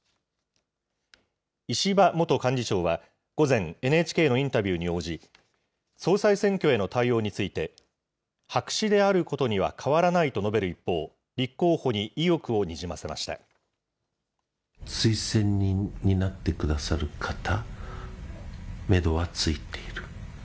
石破元幹事長は、午前、ＮＨＫのインタビューに応じ、総裁選挙への対応について、白紙であることには変わらないと述べる一方、立候補に意欲をにじませました。